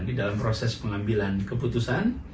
di dalam proses pengambilan keputusan